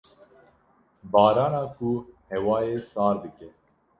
barana ku hewayê sar dike.